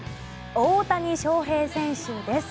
大谷翔平選手です。